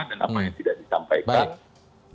dan apa yang tidak disampaikan